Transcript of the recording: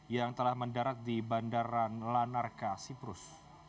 yang telah mendarat di bandara lanarka siprus